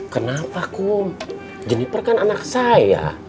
kenapa kok jeniper kan anak saya